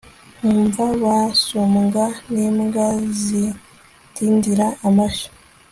nkumva basumbwa n'imbwa zindindira amashyo